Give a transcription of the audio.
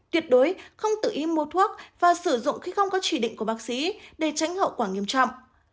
tuyệt đối không tự ý mua thuốc và sử dụng khi không có chỉ định của bác sĩ để tránh hậu quả nghiêm trọng